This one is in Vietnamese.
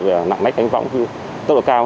lạng lách đánh võng tốc độ cao